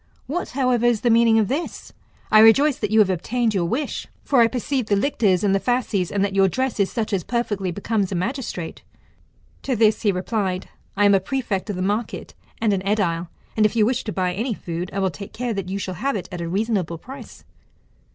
What, however, is the meaning of this ? I rejoice that yoii have obtained your wi'jh. For I perceive the lictors and the fasces, and that your dress is such as perfectly becomes a magistrate. To this he goldbh ass, or apuleIus. — fcook i. i^ replied, I am a prefect of the market and an edile, and if you wish to buy any food, I will take care that you shall have it at a reasonable price.